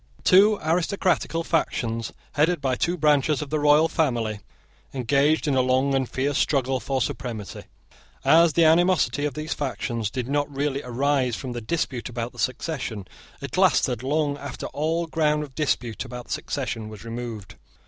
Two aristocratical factions, headed by two branches of the royal family, engaged in a long and fierce struggle for supremacy. As the animosity of those factions did not really arise from the dispute about the succession it lasted long after all ground of dispute about the succession was removed.